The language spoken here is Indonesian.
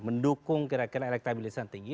mendukung kira kira elektabilitas yang tinggi